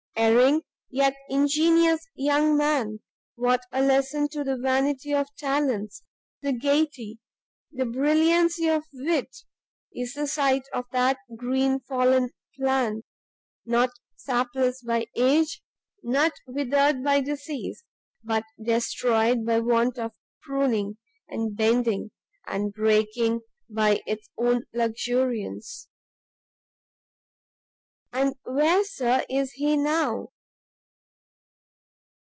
Erring, yet ingenious young man! what a lesson to the vanity of talents, to the gaiety, the brilliancy of wit, is the sight of that green fallen plant! not sapless by age, nor withered by disease, but destroyed by want of pruning, and bending, breaking by its own luxuriance!" "And where, Sir, is he now?